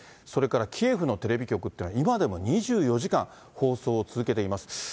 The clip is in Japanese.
それからキエフのテレビ局っていうのは、今でも２４時間、放送を続けています。